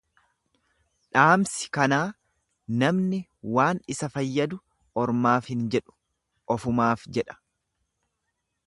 Dhaamsi kanaa namni waan isa fayyadu ormaaf hin jedhu ofumaaf jedha.